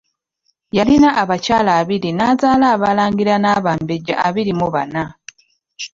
Yalina abakyala abiri n'azaala abalangira n'abambejja abiri mu bana.